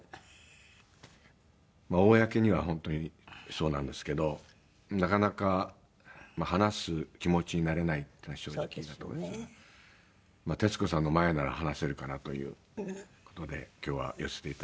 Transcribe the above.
公には本当にそうなんですけどなかなか話す気持ちになれないというのが正直なところですが徹子さんの前なら話せるかなという事で今日は寄せていただきました。